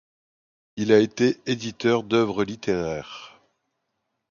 Il a été éditeur d'œuvres littéraires.